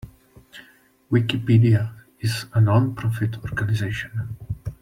Wikipedia is a non-profit organization.